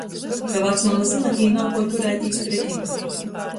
Ka vacmama zyna, tī nav kuo turētīs pretim.